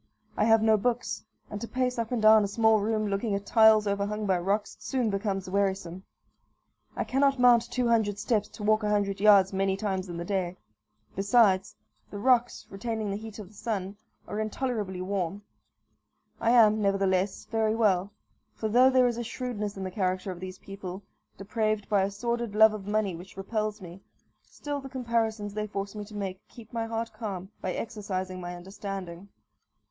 I have no books; and to pace up and down a small room, looking at tiles overhung by rocks, soon becomes wearisome. I cannot mount two hundred steps to walk a hundred yards many times in the day. Besides, the rocks, retaining the heat of the sun, are intolerably warm. I am, nevertheless, very well; for though there is a shrewdness in the character of these people, depraved by a sordid love of money which repels me, still the comparisons they force me to make keep my heart calm by exercising my understanding.